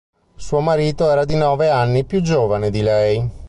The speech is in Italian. Suo marito era di nove anni più giovane di lei.